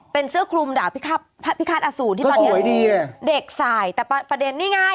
เป็นเสื้อคลุมด่าพระพิฆาตอสูรที่ตอนนี้เด็กใส่แต่ประเด็นนี่ไง